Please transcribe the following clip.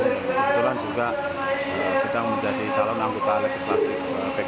dan kebetulan juga sedang menjadi calon anggota legislatif